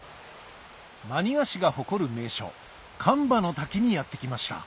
真庭市が誇る名所神庭の滝にやって来ました